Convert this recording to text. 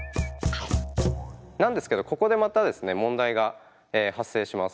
なんですけどここでまたですね問題が発生します。